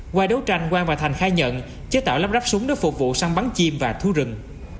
qua đấu tranh quang và thành khai nhận chế tạo lắp ráp súng để phục vụ săn bắn chim và thu rừng